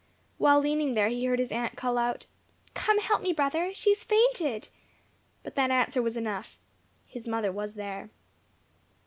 While leaning there he heard his aunt call out, "Come, help me, brother. She has fainted." But that answer was enough; his mother was there.